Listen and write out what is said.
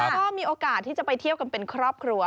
แล้วก็มีโอกาสที่จะไปเที่ยวกันเป็นครอบครัว